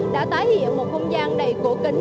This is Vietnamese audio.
đã tái hiện một không gian đầy cổ kính